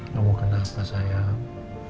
kamu kenapa sayang